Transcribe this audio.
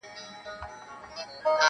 ډېر له کیبره څخه ګوري و هوا ته.